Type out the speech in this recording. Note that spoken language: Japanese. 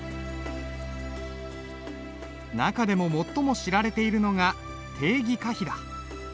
中でも最も知られているのが鄭羲下碑だ。